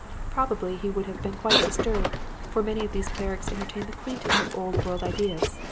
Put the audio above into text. Probably he would have been quite disturbed; for many of these clerics entertain the quaintest of old world ideas.